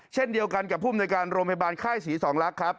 เช่นเดียวกันกับผู้มนุยการโรงพยาบาลค่ายศรีสองลักษณ์ครับ